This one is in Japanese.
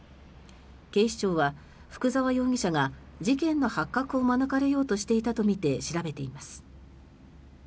警視庁は福澤容疑者が事件の発覚を免れようとしていたとみて調べています。